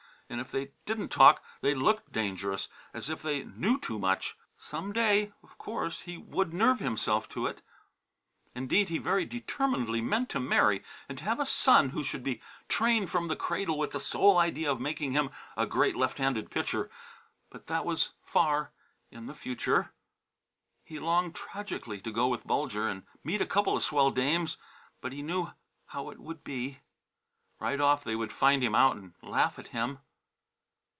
And if they didn't talk they looked dangerous, as if they knew too much. Some day, of course, he would nerve himself to it. Indeed he very determinedly meant to marry, and to have a son who should be trained from the cradle with the sole idea of making him a great left handed pitcher; but that was far in the future. He longed tragically to go with Bulger and meet a couple of swell dames, but he knew how it would be. Right off they would find him out and laugh at him.